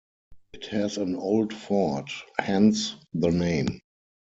It has an old fort, hence the name.